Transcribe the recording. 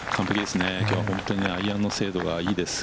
きょうは本当にアイアンの精度がいいです。